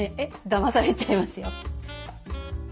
だまされちゃいますよ。